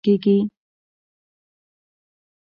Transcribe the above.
هغوی په همه شموله حکومت کې برخه نه ورکول کیږي.